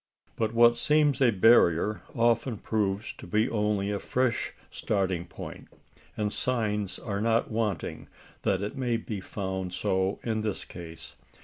But what seems a barrier often proves to be only a fresh starting point; and signs are not wanting that it may be found so in this case.